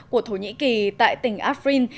của thổ nhĩ kỳ tại tỉnh afrin